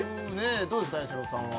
どうですかやしろさんは？